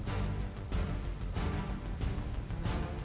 hanya satu yang ingin aku